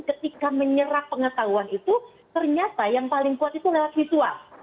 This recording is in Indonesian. ketika menyerah pengetahuan itu ternyata yang paling kuat itu adalah ritual